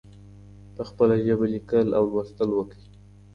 په خپله ژبه لیکل او لوستل وکړئ.